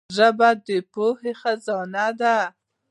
ژبه د پوهي خزانه ده.